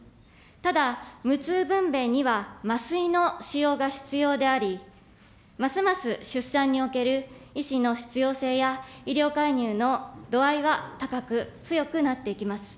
ただ、無痛分娩には麻酔の使用が必要であり、ますます出産における医師の必要性や医療介入の度合いは高く、強くなっていきます。